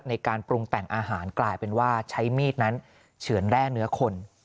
ในการปรุงแต่งอาหารกลายเป็นว่าใช้มีดนั้นเฉือนแร่เนื้อคน